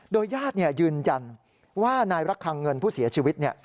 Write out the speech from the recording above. โดยญาติยืนยันว่านายรักคังเงินผู้เสียชีวิต